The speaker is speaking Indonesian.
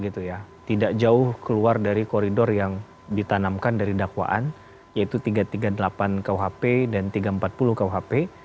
tidak jauh keluar dari koridor yang ditanamkan dari dakwaan yaitu tiga ratus tiga puluh delapan kuhp dan tiga ratus empat puluh kuhp